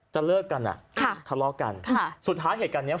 เลิกกันอ่ะค่ะทะเลาะกันค่ะสุดท้ายเหตุการณ์เนี้ย